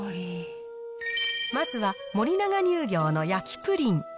まずは、森永乳業の焼きプリン。